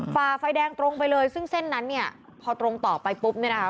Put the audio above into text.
ฝ่าไฟแดงตรงไปเลยซึ่งเส้นนั้นเนี่ยพอตรงต่อไปปุ๊บเนี่ยนะคะ